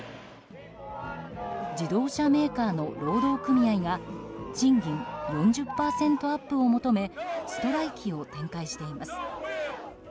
自動車メーカーの労働組合が賃金４０％アップを求めストライキを展開しています。